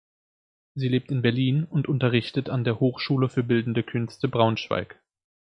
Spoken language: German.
Sie lebt in Berlin und unterrichtet an der Hochschule für Bildende Künste Braunschweig.